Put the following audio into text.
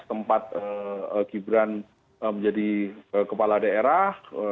tempat gibran menjadi kepala daerah